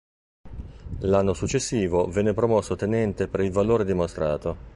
L'anno successivo venne promosso tenente per il valore dimostrato.